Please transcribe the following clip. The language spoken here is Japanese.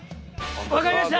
分かりました。